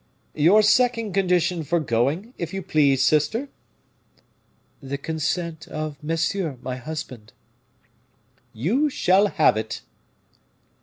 "Your second condition for going, if you please, sister?" "The consent of Monsieur, my husband." "You shall have it."